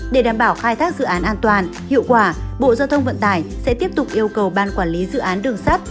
để đảm bảo khai thác dự án an toàn hiệu quả bộ giao thông vận tải sẽ tiếp tục yêu cầu ban quản lý dự án đường sắt